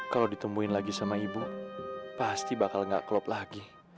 kalau ditemuin lagi sama ibu pasti bakal gak klop lagi